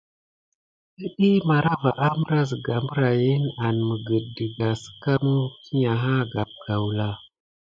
Iɗiy màrava ambra zəga mbrayin an məget dəga səka məfiga ha gape gawla.